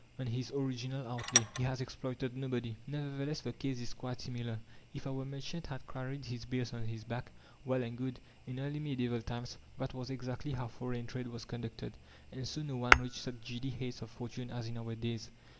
on his original outlay. He has exploited nobody." Nevertheless the case is quite similar. If our merchant had carried his bales on his back, well and good! In early medieval times that was exactly how foreign trade was conducted, and so no one reached such giddy heights of fortune as in our days.